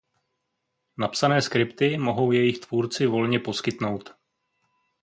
Napsané skripty mohou jejich tvůrci volně poskytnout.